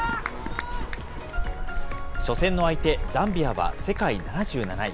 初戦の相手、ザンビアは世界７７位。